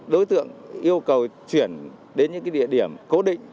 đối tượng yêu cầu chuyển đến những địa điểm cố định